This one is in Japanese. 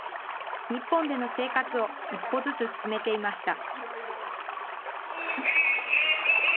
日本での生活を一歩ずつ進めていました。